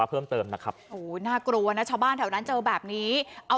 เออน่ากลัวนะชาวบ้านแถวนั้นเจอแบบนี้